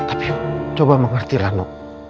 tapi coba mengertilah no